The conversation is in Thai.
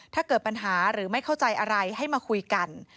ถ้าเกิดปัญหาหรือไม่เข้าใจอะไรให้มาคุยกัน